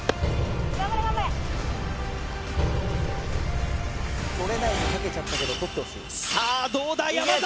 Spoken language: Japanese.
頑張れ頑張れ！捕れないに賭けちゃったけど捕ってほしいさあどうだ山崎！